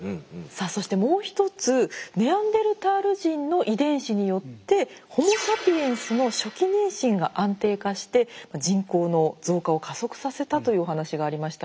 さあそしてもう一つネアンデルタール人の遺伝子によってホモ・サピエンスの初期妊娠が安定化して人口の増加を加速させたというお話がありましたが。